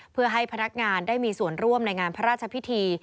เพื่อให้พนักงานได้มีส่วนร่วมในงานพระราชพิธี